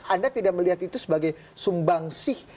anda tidak melihat itu sebagai sumbang sih